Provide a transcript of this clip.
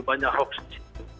banyak hoax di situ